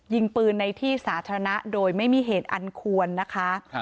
ยิงปืนในที่สาธารณะโดยไม่มีเหตุอันควรนะคะ